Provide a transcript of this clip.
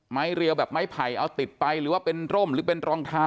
เรียวแบบไม้ไผ่เอาติดไปหรือว่าเป็นร่มหรือเป็นรองเท้า